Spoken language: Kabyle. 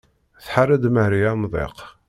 Tḥerr-d Mari amḍiq.